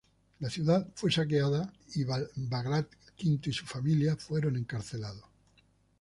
La ciudad fue saqueada y Bagrat V y su familia fueron encarcelados.